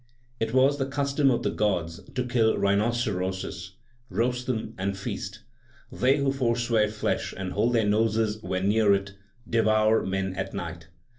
It was the custom of the gods to kill rhinoceroses, roast them and feast. They who forswear flesh and hold their noses when near it, devour men at night.